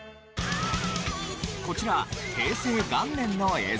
こちら平成元年の映像。